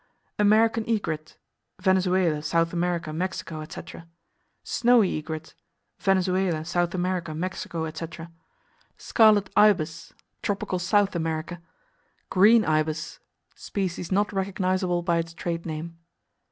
American Egret Venezuela, S. America, Mexico, etc. Snowy Egret Venezuela, S. America, Mexico, etc. Scarlet Ibis Tropical South America. "Green" Ibis Species not recognizable by its trade name.